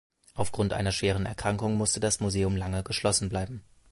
Auf Grund einer schweren Erkrankung musste das Museum lange Zeit geschlossen bleiben.